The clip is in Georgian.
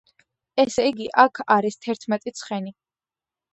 ესე იგი, აქ არის თერთმეტი ცხენი.